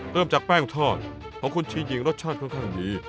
เริ่มจากแป้งทอดของคุณชีหญิงรสชาติค่อนข้างดี